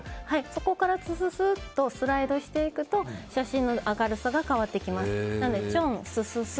そこからススッとスライドしていくと写真の明るさが変わってきます。